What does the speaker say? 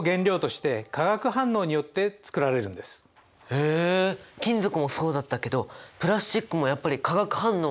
へえ金属もそうだったけどプラスチックもやっぱり化学反応が関係してくるんですね。